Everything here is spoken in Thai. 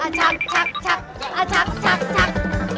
อาชักชักชักอาชักชักชัก